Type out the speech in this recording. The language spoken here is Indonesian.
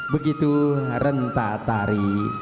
begitu rentak tari